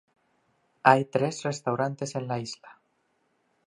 Hay tres restaurantes en la isla.